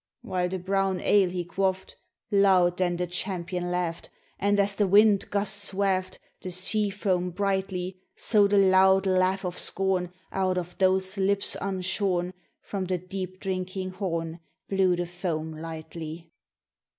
'While the brown ale he quaffed, Loud then the champion laughed, And as the wind gusts waft The sea foam brightly, So the loud laugh of scorn, Out of those lips unshorn, From the deep drinking horn Blew the foam lightly.